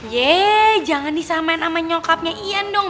ye jangan disamain sama nyokapnya ian dong